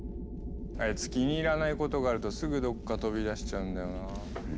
あいつ気に入らないことがあるとすぐどっか飛び出しちゃうんだよな。